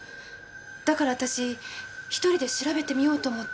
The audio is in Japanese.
だから私１人で調べてみようと思って。